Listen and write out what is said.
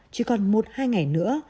chỉ còn một hai ngày nữa